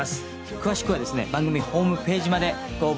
詳しくはですね番組ホームページまでご応募